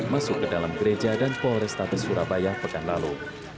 masuk ke dalam gereja dan polrestabes surabaya pekan lalu